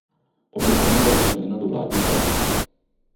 Opětovně byla začleněna do vládní koalice.